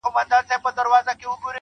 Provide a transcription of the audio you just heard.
د نازولي یار په یاد کي اوښکي غم نه دی.